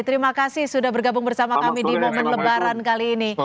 terima kasih sudah bergabung bersama kami di momen lebaran kali ini